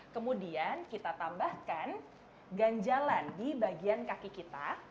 kemudian kita tambahkan ganjalan di bagian kaki kita